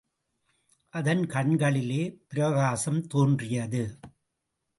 அதன் கண்களிலே பிரகாசம் தோன்றியது.